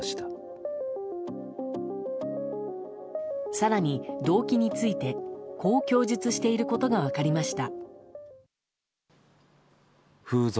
更に、動機についてこう供述していることが分かりました。